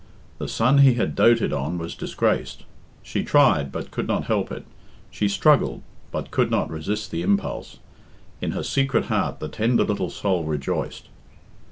The son he had doted on was disgraced. She tried, but could not help it; she struggled, but could not resist the impulse in her secret heart the tender little soul rejoiced.